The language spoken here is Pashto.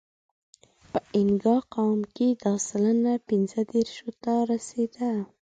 په اینګا قوم کې دا سلنه پینځهدېرشو ته رسېده.